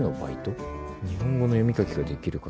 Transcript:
「日本語の読み書きができる方」